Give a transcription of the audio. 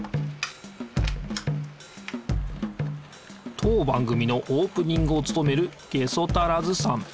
当番組のオープニングをつとめるゲソタラズさん。